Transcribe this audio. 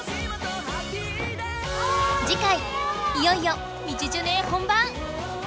次回いよいよ道ジュネー本番！